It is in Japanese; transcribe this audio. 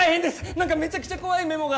なんかめちゃくちゃ怖いメモが。